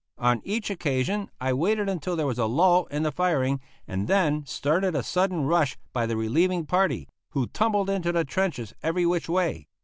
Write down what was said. On each occasion I waited until there was a lull in the firing and then started a sudden rush by the relieving party, who tumbled into the trenches every which way.